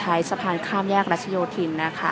ใช้สะพานข้ามแยกรัชโยธินนะคะ